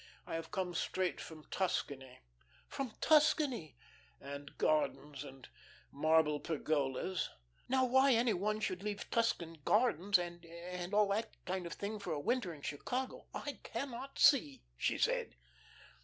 I have come straight from Tuscany." "From Tuscany?" " and gardens and marble pergolas." "Now why any one should leave Tuscan gardens and and all that kind of thing for a winter in Chicago, I cannot see," she said.